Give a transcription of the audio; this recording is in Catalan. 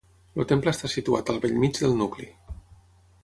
El temple està situat al bell mig del nucli.